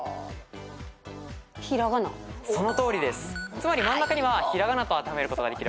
つまり真ん中には「ひらがな」と当てはめることができるわけです。